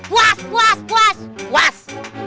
puas puas puas